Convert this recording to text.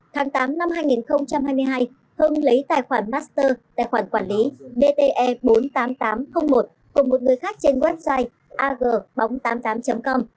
tháng tám năm hai nghìn hai mươi hai hưng lấy tài khoản master tài khoản quản lý dte bốn mươi tám nghìn tám trăm linh một cùng một người khác trên website agbóng tám mươi tám com